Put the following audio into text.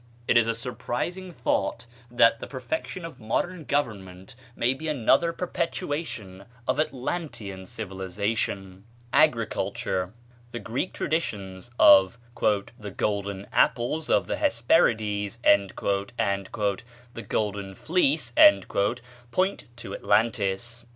It is a surprising thought that the perfection of modern government may be another perpetuation of Atlantean civilization. Agriculture. The Greek traditions of "the golden apples of the Hesperides" and "the golden fleece" point to Atlantis.